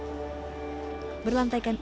pantai pantai berlantaikan ubi